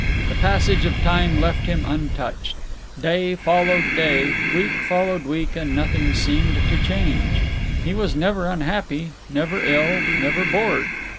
The passage of time left him untouched. Day followed day, week followed week, and nothing seemed to change. He was never unhappy, never ill, never bored.